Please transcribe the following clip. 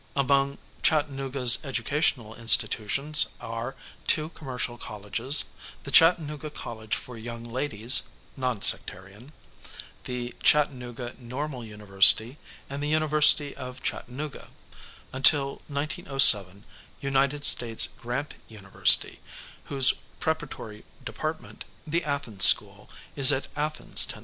Among Chattanooga's educational institutions are two commercial colleges, the Chattanooga College for Young Ladies (non sectarian), the Chattanooga Normal University, and the University of Chattanooga, until June 1907, United States Grant University (whose preparatory department, "The Athens School," is at Athens, Tenn.)